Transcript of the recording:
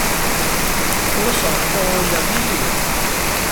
Ur as-reqquɣ ula i yiwen.